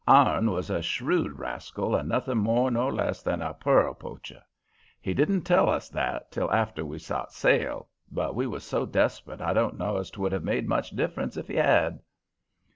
Ourn was a shrewd rascal and nothing more nor less than a pearl poacher. He didn't tell us that till after we sot sail, but we was so desperate I don't know as 'twould have made much diff'rence if he had.